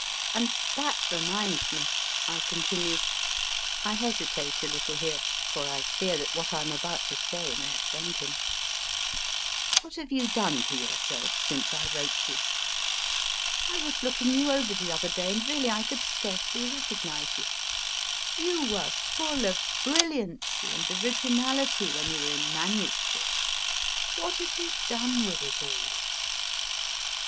And that reminds me, I continue I hesitate a little here, for I fear what I am about to say may offend him * what have you done to yourself since I wrote you ? I was looking you over the other day, and really I could scarcely recognise you. You were full of brilliancy and originality JEROME K. JEROME 227 when you were in manuscript. What have you done with it all?